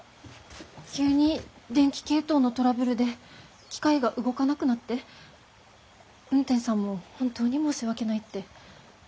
急に電気系統のトラブルで機械が動かなくなって運天さんも本当に申し訳ないって。